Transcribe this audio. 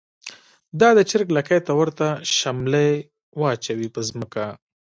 دا د چر ګ لکۍ ته ورته شملی واچوی په ځمکه